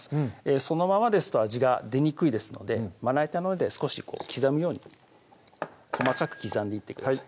そのままですと味が出にくいですのでまな板の上で少し刻むように細かく刻んでいってください